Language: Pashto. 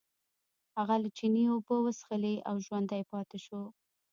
هغه له چینې اوبه وڅښلې او ژوندی پاتې شو.